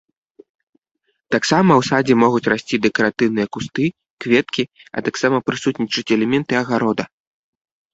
Таксама ў садзе могуць расці дэкаратыўныя кусты, кветкі, а таксама прысутнічаць элементы агарода.